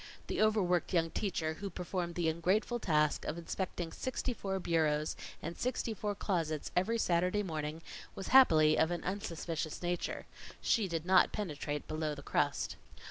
The overworked young teacher, who performed the ungrateful task of inspecting sixty four bureaus and sixty four closets every Saturday morning, was happily of an unsuspicious nature. She did not penetrate below the crust.